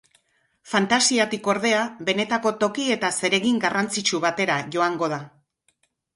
Fantasiatik, ordea, benetako toki eta zeregin garrantzitsu batera joango da.